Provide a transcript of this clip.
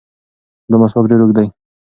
دا مسواک ډېر اوږد دی.